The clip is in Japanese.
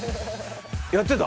やってた？